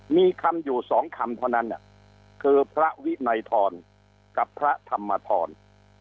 มีคำอยู่สองคำเท่านั้นคือพระวินัยทรกับพระธรรมธร